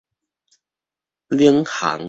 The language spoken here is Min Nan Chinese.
領航